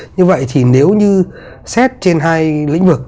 như vậy thì nếu như xét trên hai lĩnh vực